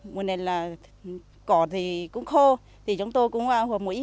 mùa này là cỏ thì cũng khô thì chúng tôi cũng hợp mũi